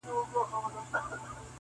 • سرونه پرې کړي مالونه یوسي -